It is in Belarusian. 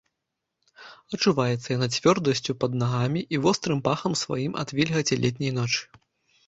Адчуваецца яна цвёрдасцю пад нагамі і вострым пахам сваім ад вільгаці летняй ночы.